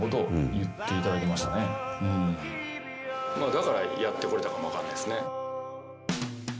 だからやってこれたかも分かんないですね。